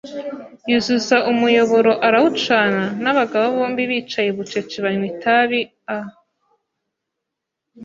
Yuzuza umuyoboro arawucana; nabagabo bombi bicaye bucece banywa itabi a